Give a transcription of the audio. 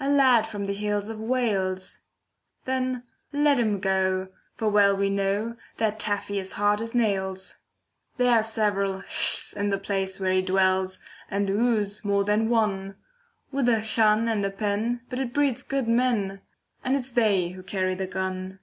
A lad from the hills of Wales. Then let him go, for well we know, That Taffy is hard as nails. There are several ll's in the place where he dwells, And of w's more than one, With a 'Llan' and a 'pen,' but it breeds good men, And it's they who carry the gun.